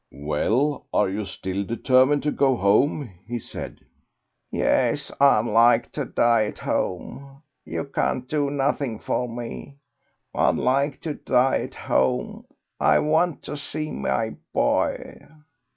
"Well, are you still determined to go home?" he said. "Yes; I'd like to die at home. You can't do nothing for me.... I'd like to die at home; I want to see my boy."